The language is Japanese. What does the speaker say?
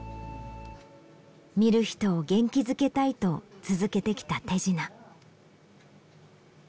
見る人を元気づけたいと続けてきた手品。